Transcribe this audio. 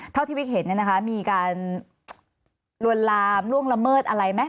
เท่าที่วิกเห็นเนี่ยนะคะมีการลวนลามล่วงละเมิดอะไรไหม